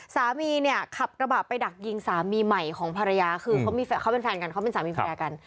สามีเนี่ยขับกระบะไปดักยิงสามีใหม่ของภรรยาคือเขาเป็นแฟนกันเขาเป็นสามีภรรยากัน